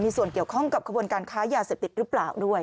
มีส่วนเกี่ยวข้องกับขบวนการค้ายาเสพติดหรือเปล่าด้วย